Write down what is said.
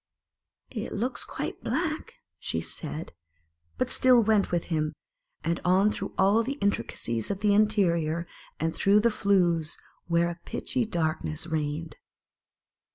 "It looks quite black," said she; but still she went with him, and on through all the intricacies of the interior, and through the flues, where a pitchy darkness reigned.